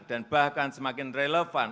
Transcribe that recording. dan bahkan semakin relevan